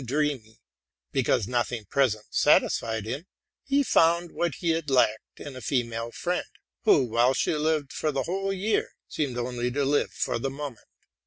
131 dreamy, because nothing present satisfied him, he found what he had lacked in a female friend, who, while she lived for the whole year, seemed only to live for the moment.